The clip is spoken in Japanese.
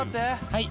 はい。